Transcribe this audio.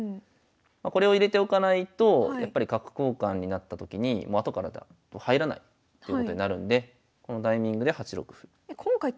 これを入れておかないとやっぱり角交換になったときに後からだと入らないっていうことになるんでこのタイミングで８六歩。